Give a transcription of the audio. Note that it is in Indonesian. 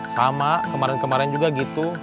sama kemarin kemarin juga gitu